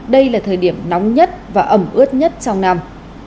đây là thời điểm nóng nhất và ẩm ướt nhất trong năm